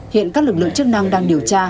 hiện các lực lượng chức năng đang điều tra